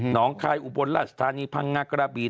น้องคายอุบลราชธานีพังงากระบี